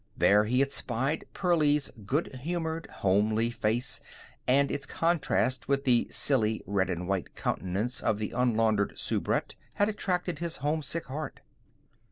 There he had spied Pearlie's good humored, homely face, and its contrast with the silly, red and white countenance of the unlaundered soubrette had attracted his homesick heart.